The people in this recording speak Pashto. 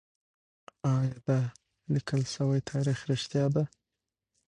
ايا دا ليکل شوی تاريخ رښتيا دی؟